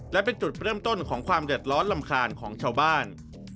และเป็นจุดเริ่มต้นของความเดือดร้อนรำคาญของชาวบ้าน